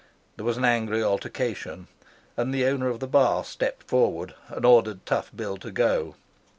There was an angry altercation, and the owner of the bar stepped forward and ordered Tough Bill to go.